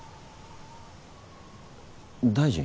大臣？